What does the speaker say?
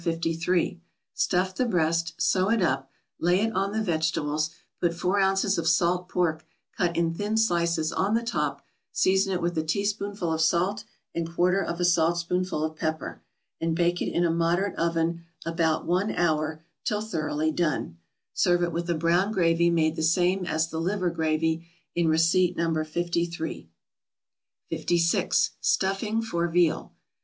53; stuff the breast, sew it up, lay it on the vegetables, put four ounces of salt pork cut in thin slices on the top, season it with a teaspoonful of salt, and quarter of a saltspoonful of pepper, and bake it in a moderate oven about one hour, till thoroughly done; serve it with a brown gravy made the same as the liver gravy in receipt No. 53. 56. =Stuffing for Veal.